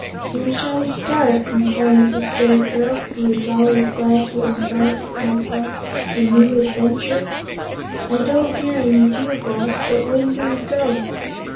"When shall we start?" inquired the Scarecrow, who was always glad to embark upon a new adventure. "I don't hear any bugle, but when do we go?"